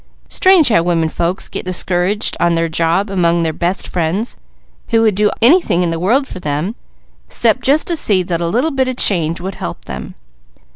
Strange how women folks get discouraged on their job, among their best friends, who would do anything in the world for them, 'cept just to see that a little bit of change would help them.